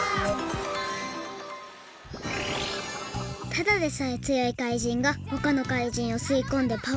ただでさえつよいかいじんがほかのかいじんをすいこんでパワーアップ！？